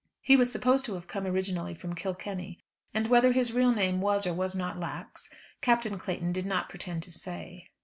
He was supposed to have come originally from Kilkenny, and whether his real name was or was not Lax, Captain Clayton did not pretend to say.